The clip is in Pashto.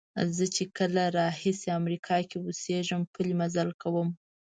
زه چې کله راهیسې امریکا کې اوسېږم پلی مزل کوم.